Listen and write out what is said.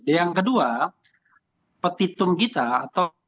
yang kedua petitum kita atau